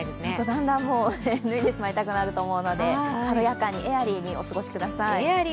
だんだん脱いでしまいたくなると思うので軽やかに、エアリーにお過ごしください。